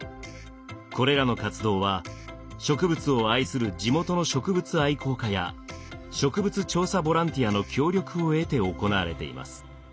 これらの活動は植物を愛する地元の植物愛好家や植物調査ボランティアの協力を得て行われています。